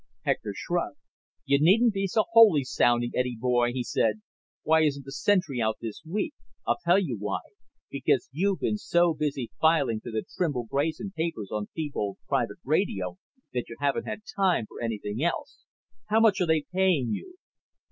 Hector shrugged. "You needn't be so holy sounding, Eddie boy," he said. "Why isn't the Sentry out this week? I'll tell you why. Because you've been so busy filing to the Trimble Grayson papers on Thebold's private radio that you haven't had time for anything else. How much are they paying you?"